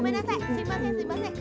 すいませんすいません。